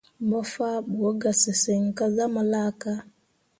Mo faa ɓu ga sesǝŋ kah zah mu laaka.